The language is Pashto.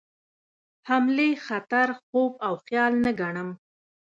حملې خطر خوب او خیال نه ګڼم.